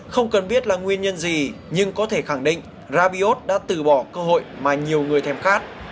không cần biết là nguyên nhân gì nhưng có thể khẳng định rabiot đã từ bỏ cơ hội mà nhiều người thèm khát